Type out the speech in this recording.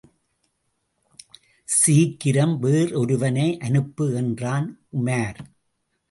சீக்கிரம், வேறொருவனை அனுப்பு என்றான் உமார்.